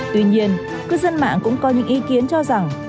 tuy nhiên cư dân mạng cũng có những ý kiến cho rằng